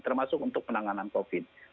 termasuk untuk penanganan covid